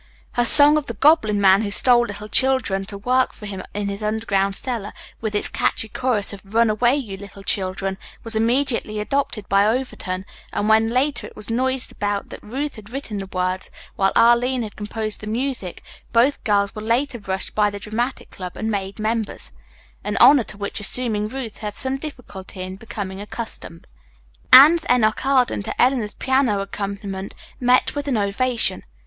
Her song of the goblin man who stole little children to work for him in his underground cellar, with its catchy chorus of "Run away, you little children," was immediately adopted by Overton, and when later it was noised about that Ruth had written the words while Arline had composed the music, both girls were later rushed by the Dramatic Club and made members, an honor to which unassuming Ruth had some difficulty in becoming accustomed. Anne's "Enoch Arden," to Eleanor's piano accompaniment, met with an ovation.